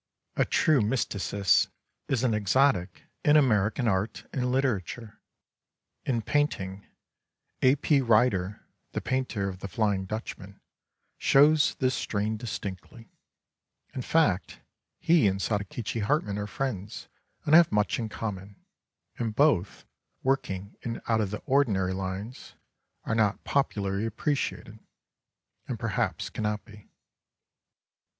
A true mysticist is an exotic in American art and literature. In painting, A. P. Ryder, the painter of the " Flying Dutchman," shows this strain distinctly. In fact he and Sadakichi Hartmann are friends and have much in common, and both, working in out of the ordinary lines, are not popularly appreciated, and perhaps can not be.